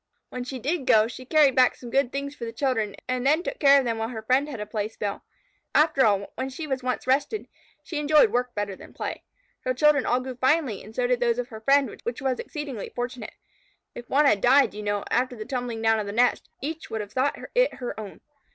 When she did go, she carried back some good things for the children, and then took care of them while her friend had a playspell. After all, when she was once rested, she enjoyed work better than play. Her children all grew finely, and so did those of her friend, which was exceedingly fortunate. If one had died, you know, after the tumbling down of the nest, each would have thought it her own.